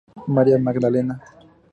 María Magdalena.